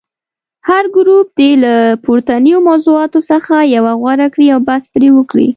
هر ګروپ دې له پورتنیو موضوعاتو څخه یوه غوره کړي او بحث پرې وکړي.